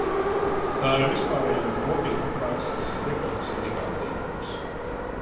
Tā ir vispārēja un nopietna prakse, kas ir ietverta sindikātu līgumos.